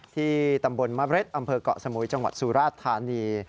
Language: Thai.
ที่ตำบลมะเร็ดอำเภอกเกาะสมุยจังหวัดสุราชธานี